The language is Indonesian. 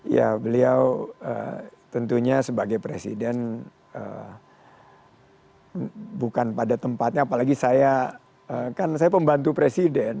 ya beliau tentunya sebagai presiden bukan pada tempatnya apalagi saya kan saya pembantu presiden